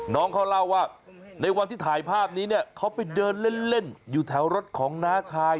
น้องเขาเล่าว่าในวันที่ถ่ายภาพนี้เนี่ยเขาไปเดินเล่นอยู่แถวรถของน้าชาย